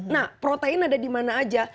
nah protein ada di mana aja